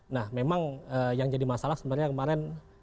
nah memang yang jadi masalah sebenarnya kemarin